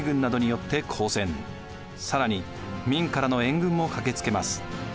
更に明からの援軍も駆けつけます。